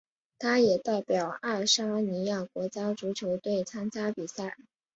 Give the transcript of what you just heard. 他也代表爱沙尼亚国家足球队参加比赛。